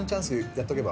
やっとけば？